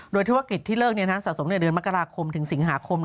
โดยธุรกิจที่เลิกนี้สะสมตั้งแต่เดือนมกราคมถึงสิงหาคม